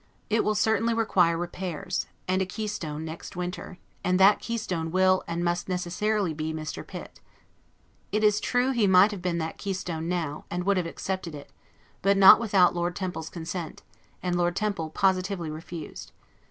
It will certainly require repairs, and a key stone next winter; and that key stone will, and must necessarily be, Mr. Pitt. It is true he might have been that keystone now; and would have accepted it, but not without Lord Temple's consent, and Lord Temple positively refused.